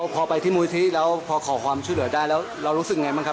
พอไปที่มูลิธิแล้วพอขอความช่วยเหลือได้แล้วเรารู้สึกไงบ้างครับ